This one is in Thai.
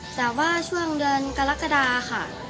แต่ว่าช่วงเดือนกรกฎาค่ะ